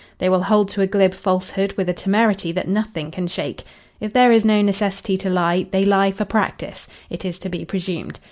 They will hold to a glib falsehood with a temerity that nothing can shake. If there is no necessity to lie, they lie for practice, it is to be presumed.